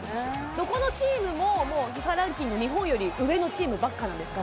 どこのチームもＦＩＦＡランキング、日本より上のチームばっかなんですか？